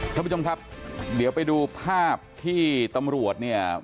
ท่านผู้ชมครับเดี๋ยวไปดูภาพที่ตำรวจเนี่ย